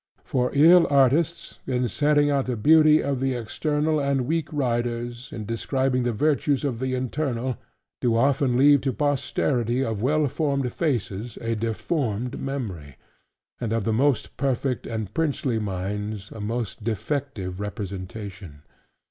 For ill artists, in setting out the beauty of the external; and weak writers, in describing the virtues of the internal; do often leave to posterity, of well formed faces a deformed memory; and of the most perfect and princely minds, a most defective representation.